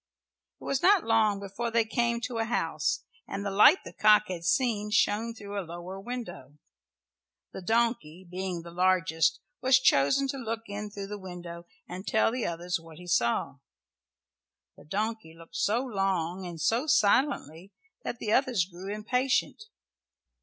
It was not long before they came to a house and the light the cock had seen shone through a lower window. The donkey, being the largest, was chosen to look in through the window and tell the others what he saw. The donkey looked so long and so silently that the others grew impatient.